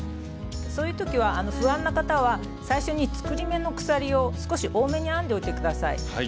そういう時は不安な方は最初に作り目の鎖を少し多めに編んでおいて下さい。